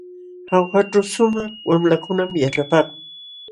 Jaujaćhu shumaq wamlakunam yaćhapaakun.